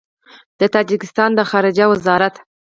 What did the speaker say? د تاجکستان د خارجه وزارت